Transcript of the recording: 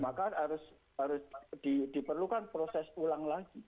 maka harus diperlukan proses ulang lagi